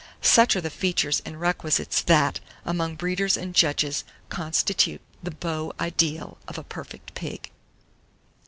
Such are the features and requisites that, among breeders and judges, constitute the beau idéal of a perfect pig.